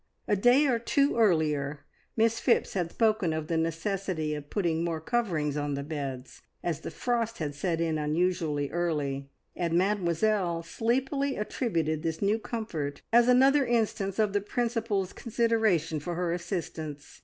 A day or two earlier, Miss Phipps had spoken of the necessity of putting more coverings on the beds, as the frost had set in unusually early, and Mademoiselle sleepily attributed this new comfort as another instance of the Principal's consideration for her assistants.